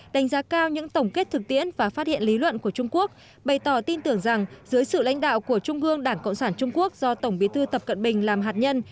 đánh giá cao những tổng kết thực tiễn và phát hiện lý luận của trung quốc bày tỏ tin tưởng rằng dưới sự lãnh đạo của trung ương đảng cộng sản trung quốc do tổng bí thư tập cận bình làm hạt nhân